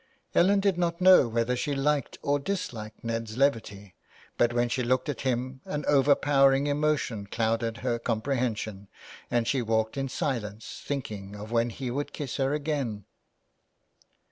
Ellen did not know whether she liked or disliked Ned's levity, but when she looked at him an over powering emotion clouded her comprehension and she walked in silence, thinking of when he would kiss her again.